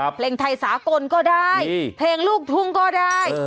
เพลงไทยสากลก็ได้เพลงลูกทุ่งก็ได้